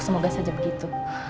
semoga saja begitu